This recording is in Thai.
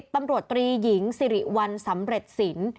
ตำรวจตรีหญิงสิริวัลสำเร็จสิน